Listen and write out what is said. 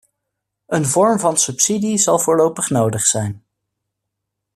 Een vorm van subsidie zal voorlopig nodig zijn.